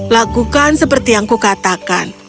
lakukan seperti yang kukatakan